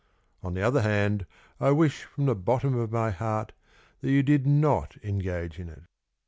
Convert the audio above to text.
On the other hand, I wish from the bottom of my heart That you did not engage in it.